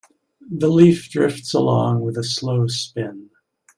The leaf drifts along with a slow spin.